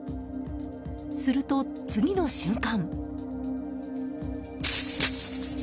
すると、次の瞬間。